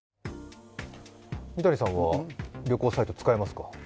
三谷さんは旅行サイト使いますか？